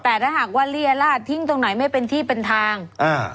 แต่ถ้าหากว่าเรียราชทิ้งตรงไหนไม่เป็นที่เป็นทางอ่า